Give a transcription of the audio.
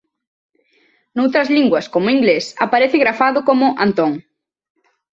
Noutras linguas como o inglés aparece grafado como "Anton".